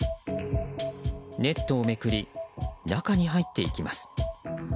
ネットをめくり中に入っていきます。